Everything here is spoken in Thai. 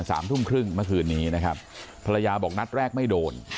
สามทุ่มครึ่งเมื่อคืนนี้นะครับภรรยาบอกนัดแรกไม่โดน